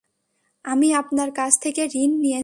আমি আপনার কাছ থেকে ঋণ নিয়েছি।